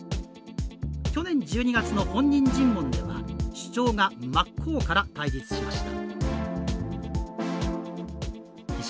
去年１２月の本人尋問では主張が真っ向から対立しました。